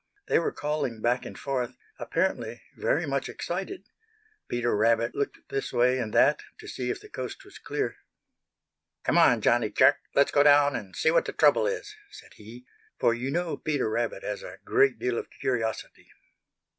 They were calling back and forth, apparently very much excited. Peter Rabbit looked this way and that way to see if the coast was clear. "Come on, Johnny Chuck, let's go down and see what the trouble is," said he, for you know Peter Rabbit has a great deal of curiosity.